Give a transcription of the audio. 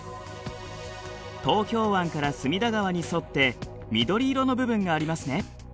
東京湾から隅田川に沿って緑色の部分がありますね。